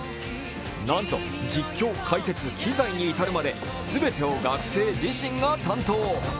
なんと実況、解説、機材に至るまで全てを学生自身が担当。